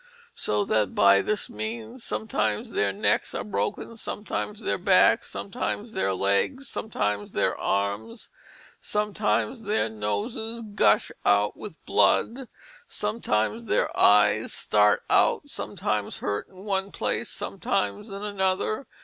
So that by this means sometimes their necks are broken, sometimes their backs, sometimes their legs, sometimes their armes, sometimes their noses gush out with blood, sometimes their eyes start out, and sometimes hurte in one place, sometimes in another.